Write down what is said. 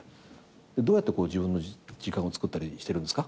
どうやって自分の時間をつくったりしてるんですか？